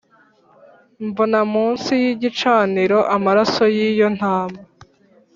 mbona munsi y igicaniro amaraso yiyo ntama